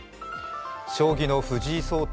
将棋の藤井聡太